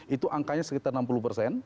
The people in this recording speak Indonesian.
itu angkanya sekitar enam puluh persen